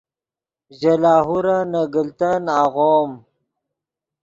ژے لاہورن نے گلتن آغوم